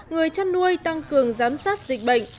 người chăn nuôi tăng cường giám sát dịch bệnh